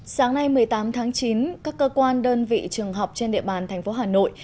sáng nay một mươi tám tháng chín các cơ quan đơn vị trường học trên địa bàn thành phố hà nội